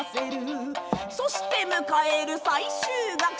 「そして迎える最終楽章」